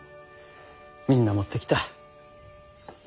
みんな持ってきた。